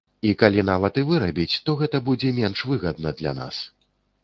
А калі нават і вырабіць, то гэта будзе менш выгадна для нас.